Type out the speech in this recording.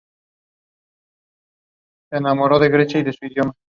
Cubre los ámbitos científicos, artísticos y literarios.